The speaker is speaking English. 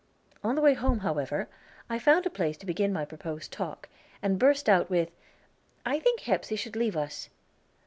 On the way home, however, I found a place to begin my proposed talk, and burst out with, "I think Hepsey should leave us."